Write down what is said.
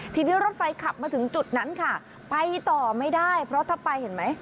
ทีนี้รถไฟขับมาถึงจุดนั้นค่ะไปต่อไม่ได้เพราะถ้าไปเห็นไหม